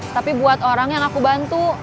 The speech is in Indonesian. tapi buat orang yang aku bantu